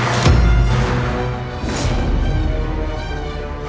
aku mau ke rumah